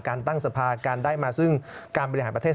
การตั้งสภาการได้มาซึ่งการบริหารประเทศ